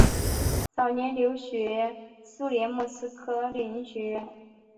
早年留学苏联莫斯科列宁学院。